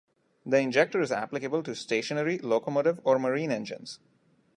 The injector is applicable to stationary, locomotive, or marine engines.